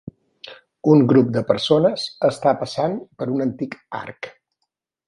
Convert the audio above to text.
Un grup de persones està passant per un antic arc.